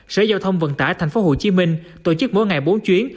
sở giao thông vận tải thành phố hồ chí minh tổ chức mỗi ngày bốn chuyến